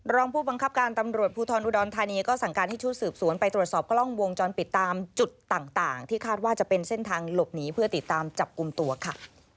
รองผู้บังคับการตำรวจภูทรอุดรธานีก็สั่งการให้ชุดสืบสวนไปตรวจสอบกล้องวงจรปิดตามจุดต่างที่คาดว่าจะเป็นเส้นทางหลบหนีเพื่อติดตามจับกลุ่มตัวค่ะ